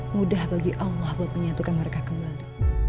mudah bagi allah buat menyatukan mereka kembali